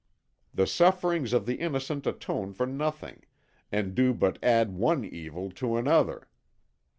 The sufferings of the innocent atone for nothing, and do but add one evil to another.